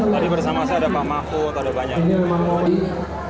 tadi bersama saya ada pak mahfud ada banyak